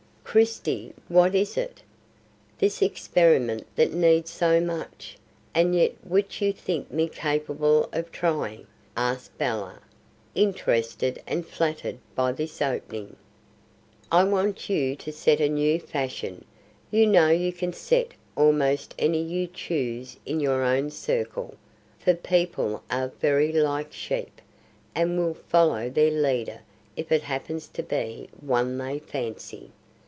"Christie, what is it? this experiment that needs so much, and yet which you think me capable of trying?" asked Bella, interested and flattered by this opening. "I want you to set a new fashion: you know you can set almost any you choose in your own circle; for people are very like sheep, and will follow their leader if it happens to be one they fancy.